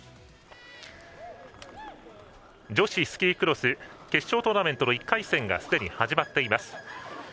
女子スキークロス決勝トーナメントの１回戦がすでに始まっています。